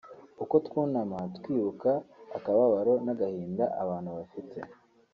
uko twunama twibuka akababaro n’agahinda abantu bafite